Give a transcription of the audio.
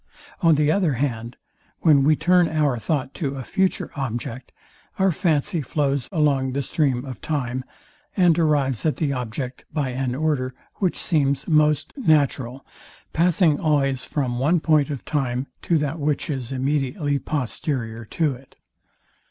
On the other hand, when we turn our thought to a future object, our fancy flows along the stream of time, and arrives at the object by an order, which seems most natural, passing always from one point of time to that which is immediately posterior to it.